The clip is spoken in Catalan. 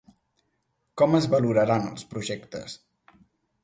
Com es valoraran els projectes?